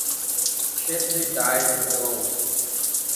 Shipley died at home.